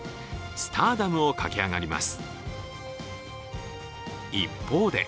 スターダムを駆け上がります。